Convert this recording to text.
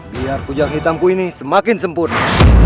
biar kujang hitamku ini semakin sempurna